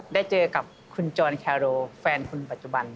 ได้เจอกับคุณจรแคโรแฟนคุณปัจจุบัน